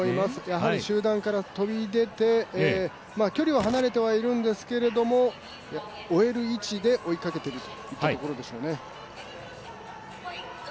やはり集団から飛び出て、距離は離れてはいるんですけど追える位置で追いかけているというところでしょうね。